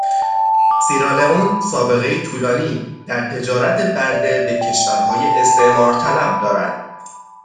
سیرالئون سابقهای طولانی در تجارت برده به کشورهای استعمار طلب دارد